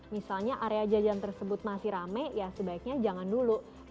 misalnya area jajan tersebut masih rame ya sebaiknya jangan dulu